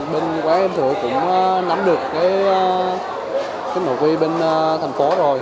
bên quán em thừa cũng nắm được cái nội quy bên thành phố rồi